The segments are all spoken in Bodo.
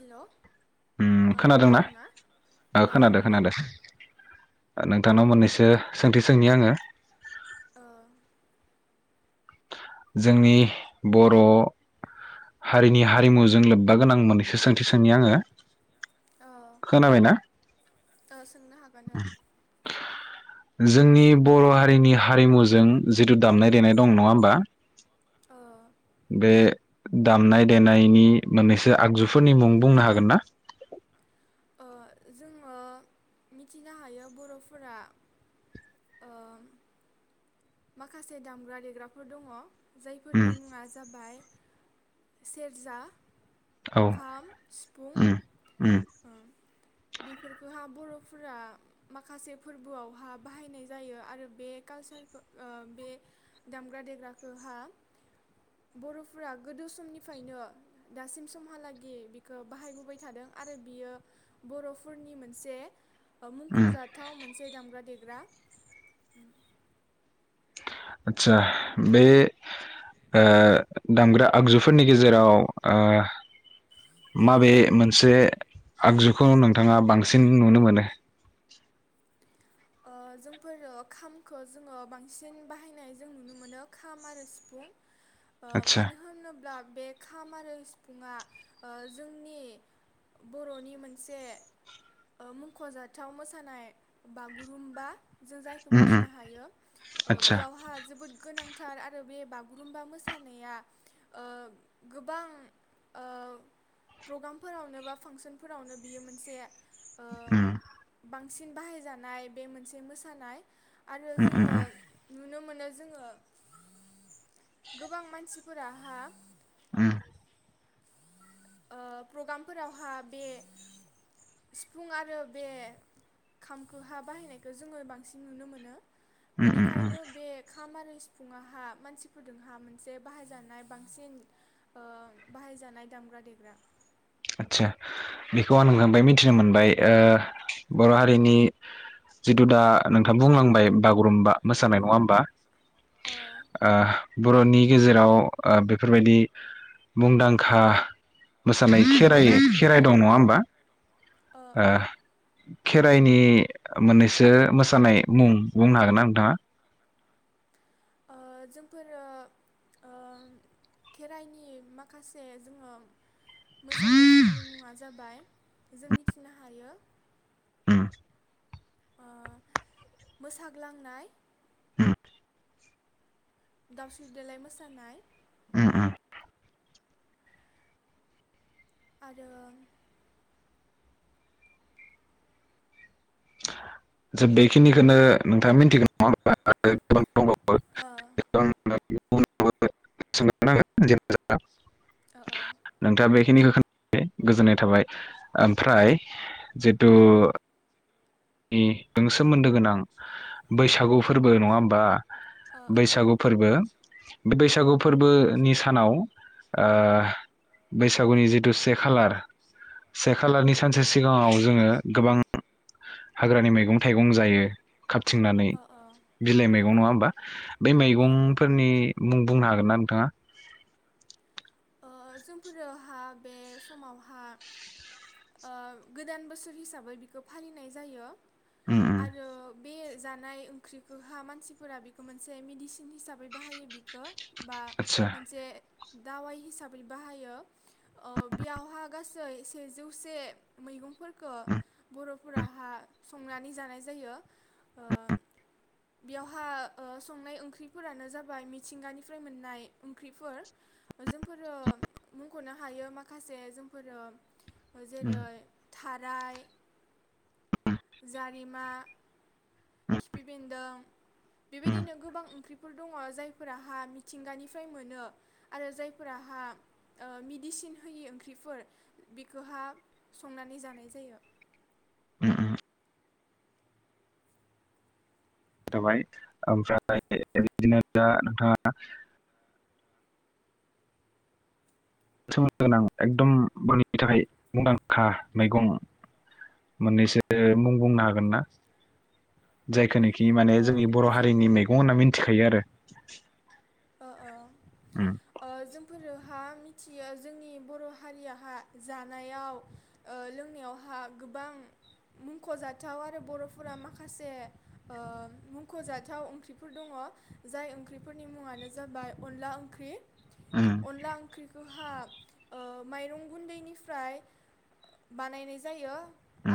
हेलौ ओम ओ खोनादोंना खोनादों ना ओ खोनादो खोनादो ओ नोंथांनाव मोननैसो सो सोंथि सोंनि आङो ओ जोंनि बर' हारिनि हारिमुजों लोब्बा गोनां मोननैसो सों थि सोंनि आङो खोनाबायना ओस सोंनो हागोन औ जोंनि बर' हारिनि हारिमुजों जिथु दामनाय देनाय दं नङा होमबा ओ बे दामनाय देनायनि मोननैसो आगजुफोरनि मुं बुंनो हागोन ना ओ जोङो मिथिनो हायो बर'फोरा ओ माखासे दामग्रा देग्राफोर दङ उम जायफोरनि मुङा जाबाय सेरजा औ खाम सिफुं उम उम ओ बेफोरखौ हा बर' फोरा माखासे फोरबोआवहा बाहायनाय जायो आरो बे कालचारखो ओ बे दामग्रा देग्राखोहा बर'फोरा गोदो समनिफ्रायनो दासिम समहालागि बिखौ बाहायबोबाय थादों आरो बियो बर'फोरनि मोनसे ओ उम मुंख'जाथाव मोनसे दामग्रा देग ग्रा आदसा बे ओ दामग्रा आगजुफोरनि गेजेराव ओ माबे मोनसे आगजुखौ नोंथाङा बांसिन नुनो मोनो ओ जोंफोरो खामखो जोङो बांसिन बाहायनाय जों नुनो मोनो खाम आरो सिफुं ओ आतसा मानो होनोब्ला बे खाम आरो सिफुङा ओ जोंनि बर'नि मोनसे ओ मुंख'जाथाव मोसानाय बागुरुम्बा जों जायखौ उम उम मिथिनो हायो ओ आतसा बेयावहा जोबोद गोनां थार आरो बे बागुरुमबा मोसानाया ओ गोबां ओ प्रग्रामफोरावनो बा फांसनफोरावनो बियो मोनसे ओम सिन बाहाय जा नाय बे मोनसे मोसानाय आरो उम जोङो नु‌ नुनो मोनो जोङो गोबां मानसिफोराहा ओम ओ प्रग्रामफोरावहा बे सिफुं आरो बे खामखोहा बाहायनायखौ जोङो बांसिन नुनो मोनो उम उम उम बिनिखायनो बे खामानि फुंआवहा मानसिफोरजोंहा मोनसे बाहायजानाय बांसिन ओ बाहायजानाय दामग्रा दे [inaudible] आदसा बेखौ आं नोंथांबाय मिथिनो मोनबाय ओ बर हारिनि जिथु दा नोंथां बुंलांबाय बागुरुम्बा मोसानाय नङा होमबा ओ ओ बर'नि गेजेराव ओ बेफोरबायदि मुंदांखा मोसानाय खेराइ खेराइ दं नङा होमबा? ओ ओ खेराइनि मोननैसो मोसानाय मुं बुंनो हागोन ना नोंथाङा? ओ जोंफोरो ओ खेराइनि माखासे जोङो मोसानायफोरनि मुंङा जाबाय जों मिथिनो हायो ओम ओ मोसाग्लांनाय उम दावस्रि देलाय मोसानाय उम उम आरो जा बेखिनिखौनो नोंथाङा मिथिगोन नङा होनबा अ [unintelligible] अ औ खिनिखौ खोन गोजोननाय थाबाय ओमफ्राय जितु नि नों सोमोन्दो गोनां बैसागु फोरबो नङा होमबा ओ बैसागु फोरबो बे बैसागु फोरबोनि सानाव ओ बैसागुनि जिथु से खालार से खालारनि सानसे सिगाङाव जोङो गोबां हाग्रानि मैगं थाइगं जायो खाबथिंनानै ओ बिलाइ मैगं ओ नङा हबा बै ओ ओ मैगंफोरनि मुं बुंनो हाग हागोन ना नोंथाङा ओ जोंफोरोहा बे समावहा ओ गोदान बोसोर हिसाबै बिखौ फालिनाय जायो उम उम आरो बे जानाय ओंख्रिखौहा मानसिफोरा बेखौ मोनसे मेडिसिन हिसाबै बाहायो बेखौ बा आतसा मोनसे दावाय हिसाबै बाहायो ओ बेयावहा गासै सेजौसे मैगंफोर खौ उम बर फोराहा संनानै जानाय जायो ओ बेयावहा ओ संनाय ओंख्रिफोरानो जाबाय मिथिंगानिफ्राय मोननाय ओंख्रिफोर जों फोरो बखनो हायो माखासे जोंफोरो ह उम जेरै थाराय जारिमा उम खिफि बेन्दों उम बेबायदिनो गोबां ओंख्रि फोर दङ जायफोरा हा मिथिंगानिफ्राय मोनो आरो जाय फोर हा मेडिसिन होयि ओंख्रिफोर बेखौ हा संनानै जानाय जायो उ उ जाबाय ओमफ्राय बिदिनो दा नोंथाङा सोमोनदो गोनां एकदमनि थाखाय मुंदांखा मैगं मोननैसो मुं बुंनो हागोन ना जायखनि खि ओ माने जोंनि बर जों हारिनि मैगं होनना मिथिख थायो आरो ओ उम ओ जोंफोरो हा मिथियो जोंनि बर हारियहा जानायाव ओ लोंनायावहा गोबां मुंखजाथाव आरो बरफोरा माखासे ओ मुंखजाथाव ओंख्रिफोर दङ जाय ओंख्रिफोरनि मुङानो जाबाय अनला ओंख्रि उम अनला ओंख्रि गोहा ओ माइरं गुन्दैनिफ्राय बानायनाय जायो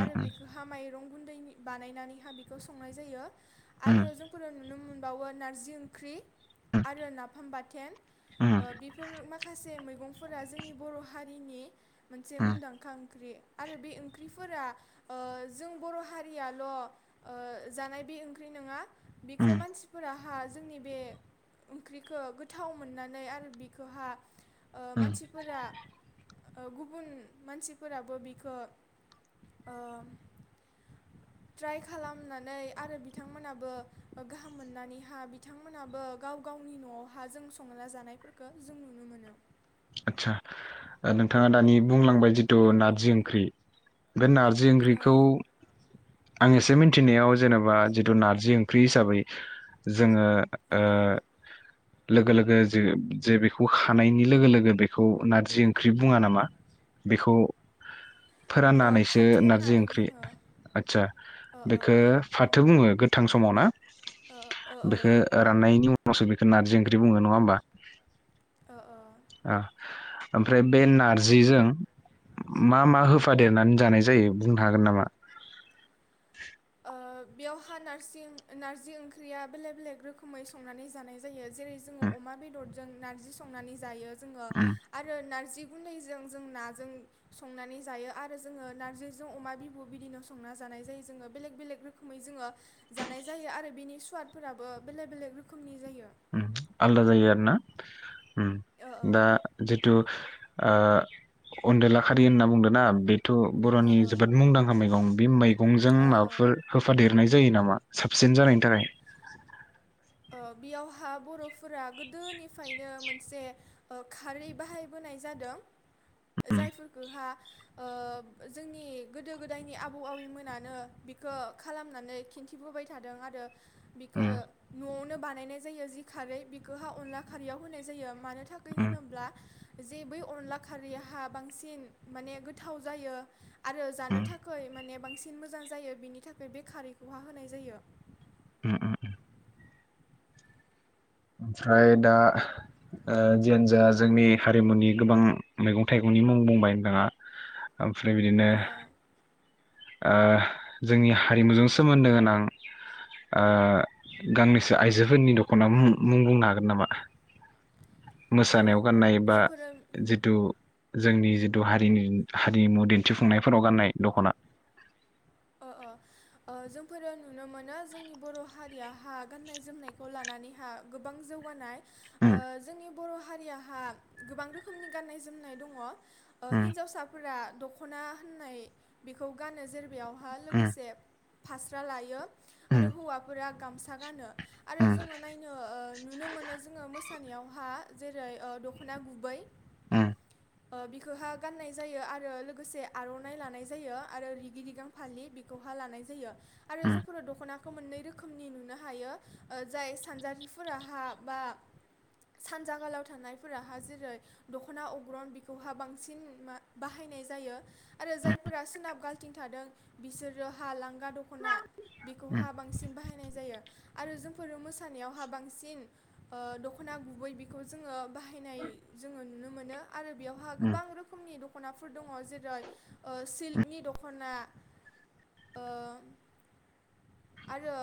आरो बेखौ हा माइरं गुन्दै बानायनानै हा बेखौ संनाय जायो उम आरो जोंफोरो नुनो मोन बावो नारजि ओंख्रि आरो नाफाम बाथोन उम ओ बेफोर माखासे मैग मैगंफोरा जोंनि बर हारिनि मोनसे उम मुंदांखा ओंख्रि आरो बे ओंख्रिफोरा ओ जों बर हारियाल जानाय बे ओंख्रि नंङा उम बेखौ उम मानसिफोरा हा जोंनि बे ओंख्रिखौ गोथाव मोननानै आरो बिखौहा ओ उम मानसिफोरा ओ गु गुबुन मानसिफोराबो बिखौ ओ ट्राइ खालामनानै आरो बिथांमोनाबो गाहाम मोननानैहा बिथांमोनाबो गाव गावनि नआव हा जों संना जानायफोरखो जों नुनो मोनो आदसा ओ नोंथाङा दानि बुंलांबाय जिथु नारजि ओंख्रि बे नारजि ओंख्रिखौ ओ आं एसे मिन थिनायाव जेनेबा जिथु नारजि ओंख्रि हिसाबै जोंङो ओ लोगो लोगो जे जे बेखौ हानायनि लोगो लोगो बेखौ नारजि ओंख्रि बुंङा नामा बेखौ ओ फोराननानैसो फाथो नारजि होननानै ओंख्रि बुङो आदसा ओ ओ बेखौ फाथो उम बुंङो गोथां समाव ना ओ ओ ओ बेखौ राननायनि उनाव मसबिखो नारजि ओंख्रि बुंङो नङा होनोमबा? अ औ [inaudible] अ ओम ओमफ्राय बे नारजिजों मा मा होफादों देरनानै जानाय जायो बुंनो हागोन नामा [inaudible] बेयावहा नारजि नार्जि ओंख्रिया बेलेक बेलेग रोखोमै संनानै जानाय जायो जेरै जोंङो अमा बेदरजों नारजि संनानै जायो। [inaudible] ज आरो नारजि गुन्दैजों जों नाजों संनानै जायो आरो जोंङो नारजिजों अमा बिबु बिदिनो संना जानाय जायो जोंङो [inaudible] बेलेग बेलेक रोखोमै जोंङो जानाय जायो आरो बेनि सुवादफोराबो बेलेक बेलेक रोखोमनि। जायो आलदा जायो आरो ना। उम ओ ओ दा जिथु ओ अनदला खारि होनना बुंदों ना बे थ ओ बरनि ओ जोबोद मुंदांखा मैगं बे मैगंजों ओ ओ माबाफोर होफादेरनाय जायो नामा साबसिन जानायनि थाखाय? बेयाव हा बरफोरा गोदोनिफ्रायनो मोनसे ओ खारै बाहायबोनाय जादों। उम जायफोरफोरखौहा जोंनि गोदो गोदायनि आबौ आबैमोनानो बिखौ खालामनानै खिन्थिबोबाय थादों आरो बिखो उम नआव नो बानायनाय जायो जि खारै बेखौ अनला खारैयाव होनाय जायो मा नो थाखै उम होनोब्ला जे बै अनला खारैहा बांसिन माने गोथाव जायो आरो जानो उम थाखै माने बांसिन मोजां जायो बिनि थाखाय बे खारैखौहा होनाय जायो। [unintelligible] ओमफ्राय दा ओ जियानो जा जोंनि हारिमुनि गोबां मैगं थाइगंनि मुं बुंबाय नोंथाङा ओमफ्राय बिदिनो ओ ओ जोंनि हारिमुजों सोमोन्दो गोनां ओ गांनैसो आइजोफोरनि दख'ना मुं मुं बुंनो हागोन नामा? ओ मोसानायाव गाननाय बा जोंफोरो जिथु जोंनि जिथु हारिनि हारिमु दिन्थिफुंनायफोराव गाननाय दख'ना। अ अ जोंफोरो नुनो मोनो जोंनि बर' हारियाहा गाननाय जोमनायखौ लानानैहा गोबां जौगानाय। ओ उम जोंनि बर' हारियाहा गोबां रोखोमनि गाननाय जोमनाय दङ। ओ उम हिन्जावसाफोरा दखना होननाय बेखौ गानो जेर बायाव आर लोगोसे फास्रा लायो आरो उम हौवाफोरा गामसा गानो आरो उम जोङो नायनो नुनो मोनो जोङो मोसानायावहा जे रै ओ दखना गुबै उम ओ बिखौहा गाननाय जायो आरो लोगोसे आरनाइ लानाय जायो आरो रिगि रि गां फालि बेखौहा लानाय जायो। आरो उम जोंफोरो दखना खौ मोननै रोखोमनि नुनो हायो जाय सानजारिफोराहा बा सानजागालाव थानायफोराहा जेरै दखना अग्रन बेखौहाय बांसिन बाहायनाय जायो। आरो उम जायफोरा सोनाब गा थिं थादों बिसोरो हालां दखना उम बेखौहा बांसिन बाहायनाय जायो। आरो जोंफोरो मोसानायावहा बांसिन ओ दखना गुबै बेखौ जोङो बाहायनाय जोङो नुनो मोनो। आरो बेयावहा उम गोबां रोखोमनि द दखनाफोर दङ जेरै ओ सिल्कनि दखना ओ आरो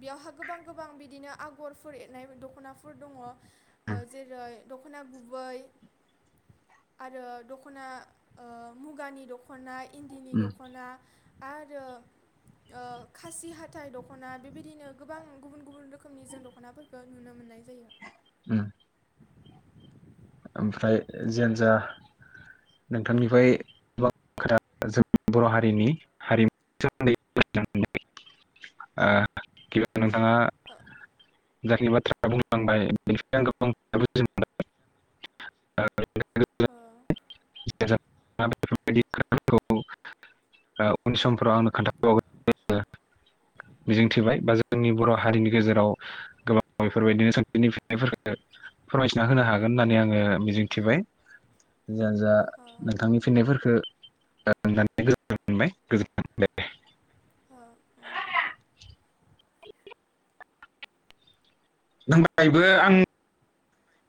बेयावहा गोबां गोबां बिदिनो आगरफोर एरनाय दखनाफोर दङ ओ उम जेरै द दखना गुबै आरो दखना ओ मुगानि दखना इन्दिनि उम दखना आरो ओ खासि हाथाइ दखना बेबायदिनो गोबां गुबुन गुबुन रोखोमनि जों दखनाफोरखौ नुनो मोननाय जायो। उम ओमफ्राय जियानजा नोंथांनिफ्राय गोबां खोथा जों बर हारिनि हारिमुनि सोमोन्दै मोनथिनो मोनो हायो ओ गिबियावनो ओ [unintelligible] जायनि बाथ्रा बुंलांबाय बेनिख आं गोबां [unintelligible] [unintelligible] ओ उन समफोराव आंनो खोनथाबावगोन होननामिजिंथिबाय। जोंनि ओ बर' हारिनि गेजेराव गोबां बेफोरबायदिनो सोंथिनि फिननायफोरखौ फोरमायथिना होनो हागोन [unintelligible] होननानै आङो मिजिंथिबाय। जायानो जा नोंथांनि फिननायफोरखौ [unintelligible] मोनबाय गोजोन दे दे। औ ओं दे। [unintelligible] आं